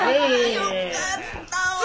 よかったわ。